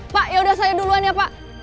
pak yaudah saya duluan ya pak